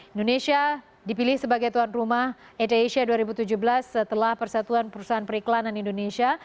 indonesia dipilih sebagai tuan rumah at asia dua ribu tujuh belas setelah persatuan perusahaan periklanan indonesia